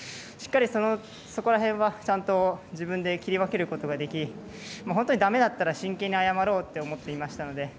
しっかり、そこら辺はちゃんと自分で切り分けることができ本当にだめだったら真剣に謝ろうと思っていましたので。